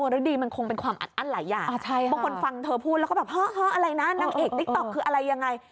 ฤดีมันคงเป็นความอัดอั้นหลายอย่างบางคนฟังเธอพูดแล้วก็แบบเฮ้ออะไรนะนางเอกติ๊กต๊อกคืออะไรยังไง